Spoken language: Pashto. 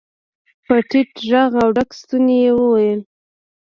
په ټيټ غږ او ډک ستوني يې وويل.